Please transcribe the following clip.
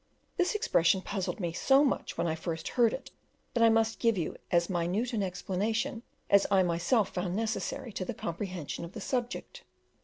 This expression puzzled me so much when I first heard it, that I must give you as minute an explanation as I myself found necessary to the comprehension of the subject.